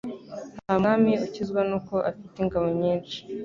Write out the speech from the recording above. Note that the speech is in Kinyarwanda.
Nta mwami ukizwa n’uko afite ingabo nyinshi